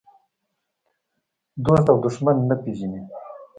دوست او دښمن نه پېژني.